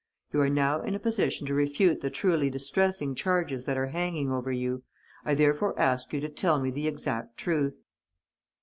You are now in a position to refute the truly distressing charges that are hanging over you. I therefore ask you to tell me the exact truth."